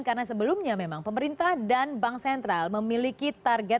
karena sebelumnya memang pemerintah dan bank sentral memiliki target